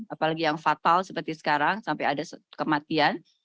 apalagi yang fatal seperti sekarang sampai ada kematian